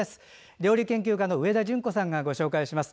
料理研究家の上田淳子さんがご紹介します。